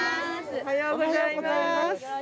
おはようございます。